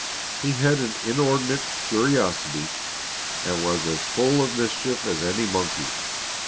He had an inordinate curiosity and was as full of mischief as any monkey.